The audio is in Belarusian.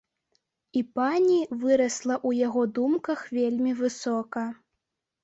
І пані вырасла ў яго думках вельмі высока.